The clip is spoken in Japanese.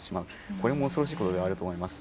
これも恐ろしいことだと思います。